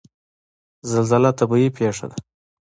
زلزله طبیعي پیښه ده